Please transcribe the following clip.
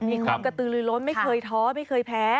มีความกระตือลือล้นไม่เคยท้อไม่เคยแพ้